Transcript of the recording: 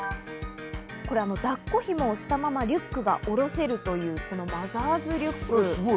だっこ紐をしたまま、リュックが下ろせるというマザーズリュックです。